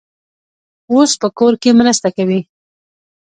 اوس په کور کې مرسته کوي.